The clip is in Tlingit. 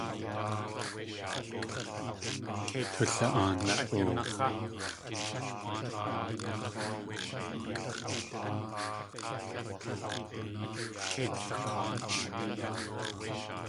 Tuli.aan.